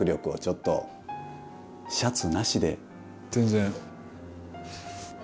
全然。